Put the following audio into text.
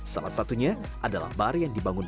seumur hidup lengkap